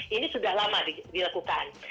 ini sudah lama dilakukan